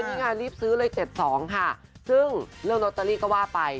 นี่ไงรีบซื้อเลย๗๒ค่ะซึ่งเรื่องลอตเตอรี่ก็ว่าไป